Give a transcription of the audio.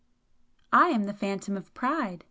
"I am the Phantom of Pride!"